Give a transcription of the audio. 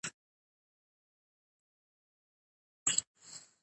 هغې وویل چې ګلاب به وشرموي.